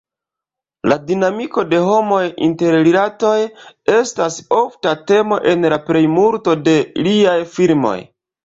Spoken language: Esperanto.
La dinamiko de homaj interrilatoj estas ofta temo en la plejmulto de liaj filmoj.